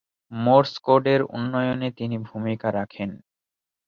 Morse কোডের উন্নয়নে তিনি ভূমিকা রাখেন।